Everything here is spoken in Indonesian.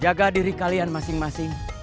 jaga diri kalian masing masing